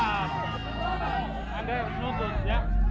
anda harus menutup ya